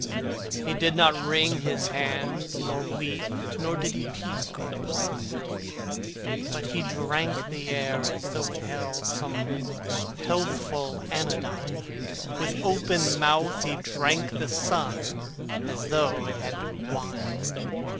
He did not wring his hands nor weep, Nor did he peek or pine, But he drank the air as though it held Some healthful anodyne; With open mouth he drank the sun As though it had been wine!